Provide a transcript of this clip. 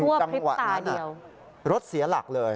ทั่วพลิปตาเดียวจังหวะนั้นรถเสียหลักเลย